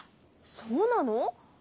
そうなの？